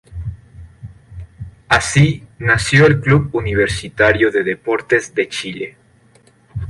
Así, nació el Club Universitario de Deportes de Chile.